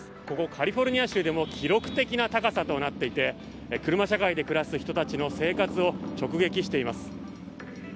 ここ、カリフォルニア州でも記録的な高さとなっていて車社会で暮らす人たちの生活を直撃しています。